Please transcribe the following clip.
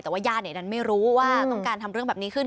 แต่ว่าญาติดันไม่รู้ว่าต้องการทำเรื่องแบบนี้ขึ้น